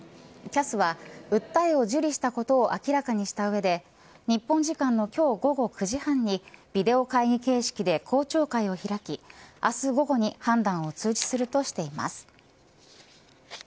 ＣＡＳは訴えを受理したことを明らかにした上で日本時間の今日午後９時半にビデオ会議形式で公聴会を開き明日午後に判断を通知するとしています。